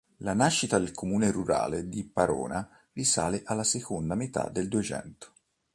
La nascita del comune rurale di Parona risale alla seconda metà del Duecento.